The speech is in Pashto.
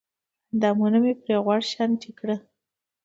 اندامونه مې پرې غوړ شانتې کړل